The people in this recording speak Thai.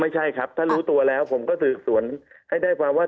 ไม่ใช่ครับถ้ารู้ตัวแล้วผมก็สืบสวนให้ได้ความว่า